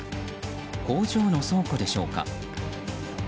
工場の倉庫でしょうか。